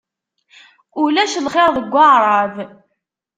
Ulac lxir deg Waɛrab.